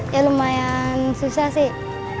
ya lumayan susah sih